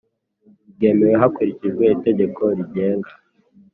ryemewe hakurikijwe Itegeko rigenga